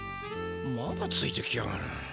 まだついてきやがる。